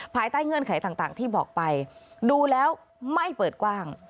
ภายใต้เงื่อนไขต่างที่บอกไปดูแล้วไม่เปิดกว้าง